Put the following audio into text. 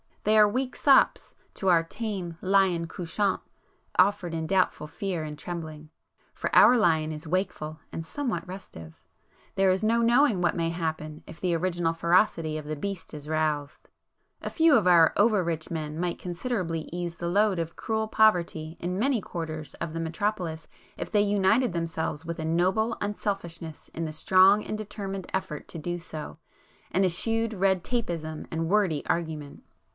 They are weak sops to our tame 'lion couchant' offered in doubtful fear and trembling. For our lion is wakeful and somewhat restive,—there is no knowing what may happen if the original ferocity of the beast is roused. A few of our over rich men might considerably ease the load of cruel poverty in many quarters of the metropolis if they united themselves with a noble unselfishness in the strong and determined effort to do so, and eschewed red tapeism and wordy argument.